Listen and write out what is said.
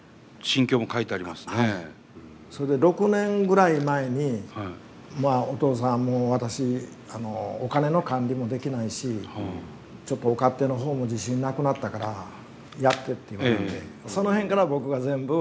それで６年ぐらい前におとうさんもう私お金の管理もできないしちょっとお勝手の方も自信なくなったからやってって言われたんでその辺から僕が全部。